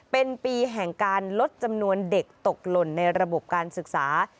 เป็นปีแห่งการลดจำนวนเด็กตกหล่นในระบบการศึกษา